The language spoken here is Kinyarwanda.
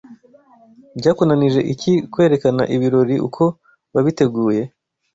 Byakunanije iki kwerekana ibirori uko wabiteguye